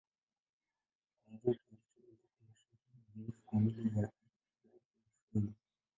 Kuanzia utayarishaji mpaka mashairi ni ubunifu kamili ya rap ya Kiswahili.